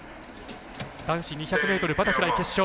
男子２００ｍバタフライ決勝。